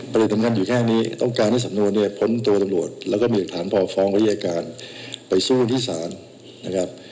ปฏิภัณฑ์อยู่แค่นี้ต้องการให้สำนวนเนี่ยพ้นตัวตำรวจแล้วก็มีอย่างฐานพอฟ้องไปที่อาการไปสู้กันที่สารนะครับ